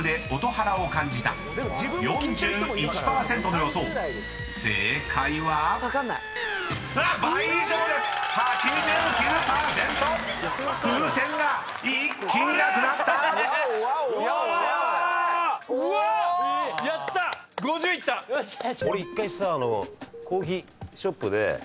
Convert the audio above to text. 俺１回さコーヒーショップで。